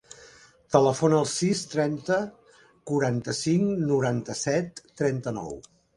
Telefona al sis, trenta, quaranta-cinc, noranta-set, trenta-nou.